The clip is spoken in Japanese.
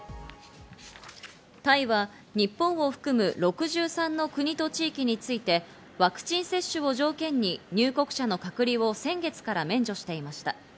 タイは日本を含む６３の国と地域についてワクチン接種を条件に入国者の隔離を先月から免除していました。